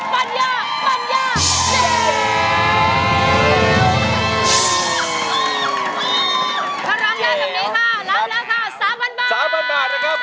ปัญญาปัญญา